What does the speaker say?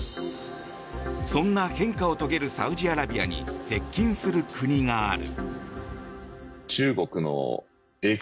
そんな変化を遂げるサウジアラビアに接近する国がある。